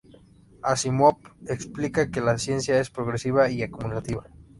Asimov explica que la ciencia es progresiva y acumulativa.